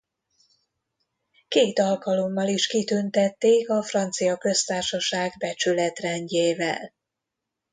Két alkalommal is kitüntették a Francia Köztársaság Becsületrendjével.